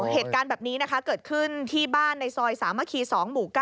เหตุการณ์แบบนี้นะคะเกิดขึ้นที่บ้านในซอยสามัคคี๒หมู่๙